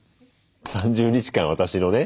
３０日間私のね